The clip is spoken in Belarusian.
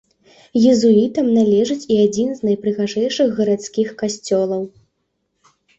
Езуітам належыць і адзін з найпрыгажэйшых гарадскіх касцёлаў.